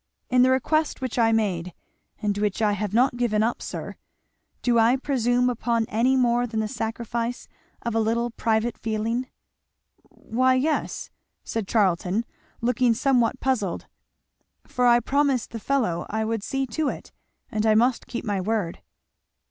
In the request which I made, and which I have not given up, sir, do I presume upon any more than the sacrifice of a little private feeling?" "Why, yes, " said Charlton looking somewhat puzzled, "for I promised the fellow I would see to it, and I must keep my word."